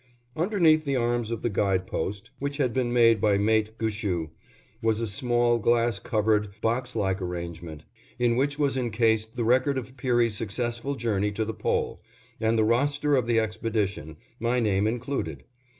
Underneath the arms of the guide post, which had been made by Mate Gushue, was a small, glass covered, box like arrangement, in which was encased the record of Peary's successful journey to the Pole, and the roster of the expedition, my name included.